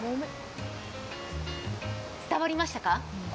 伝わりましたか？